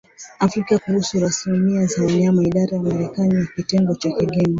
Afrika kuhusu Rasilimali za Wanyama Idara ya Marekani ya Kitengo cha Kigeni